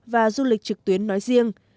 và du lịch trực tuyến nói riêng